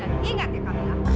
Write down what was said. dan ingat ya tamira